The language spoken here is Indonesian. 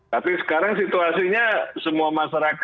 tapi sekarang situasinya semua masyarakat sudah memahami